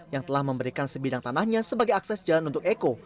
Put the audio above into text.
yang telah memberikan sebidang tanahnya sebagai akses jalan untuk eko